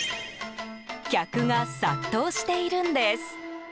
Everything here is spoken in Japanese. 客が殺到しているんです。